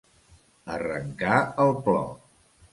Arrencar el plor.